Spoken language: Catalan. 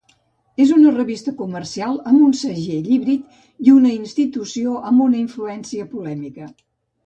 És una revista comercial amb un segell híbrid i una institució amb una influència polèmica.